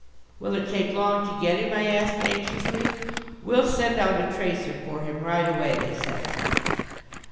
"Will it take long to get him?" I asked anxiously. "We'll send out a tracer for him right away," they said.